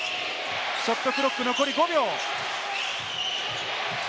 ショットクロック、残り５秒。